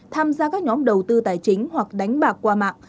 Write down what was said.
tham gia các nhóm đầu tư tài chính hoặc đánh bạc qua mạng